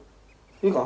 いいか？